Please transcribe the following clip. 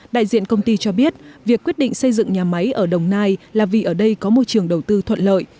đại diện công ty cho biết việc quyết định xây dựng nhà máy ở đồng nai là vì ở đây có môi trường đầu tư thuận lợi